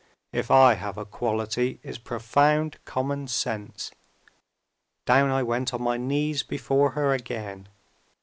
If I have a quality, it's profound common sense. Down I went on my knees before her again!